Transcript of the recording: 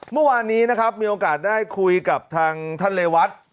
เมื่อวานนี้นะครับมีโอกาสได้คุยกับทางท่านเรวัต